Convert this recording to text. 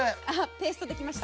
ペースト出来ました。